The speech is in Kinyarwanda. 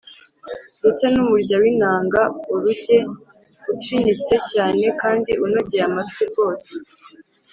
ndetse n'umurya w'inanga (oruge) ucinyitse cyane kandi unogeye amatwi rwose